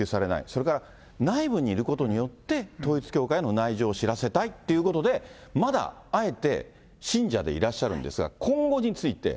それから内部にいることによって、統一教会の内情を知らせたいということで、まだ、あえて、信者でいらっしゃるんですが、今後について。